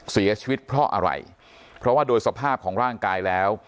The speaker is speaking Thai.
เสียชีวิตเพราะอะไรเพราะว่าโดยสภาพของร่างกายแล้ว